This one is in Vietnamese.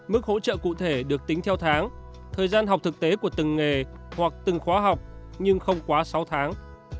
mức hỗ trợ cụ thể được tính theo tháng thời gian học thực tế của từng nghề hoặc từng khóa học nhưng không quá sáu tháng